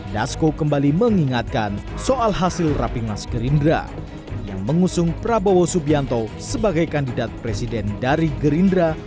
dasko kembali mengingatkan soal hasil rapi mas gerindra yang mengusung prabowo subianto sebagai kandidat presiden dari gerindra